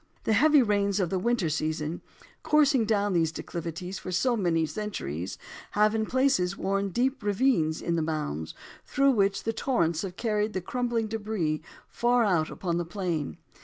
The heavy rains of the winter season coursing down these declivities for so many centuries, have in places worn deep ravines in the mounds, through which the torrents have carried the crumbling debris far out upon the plain.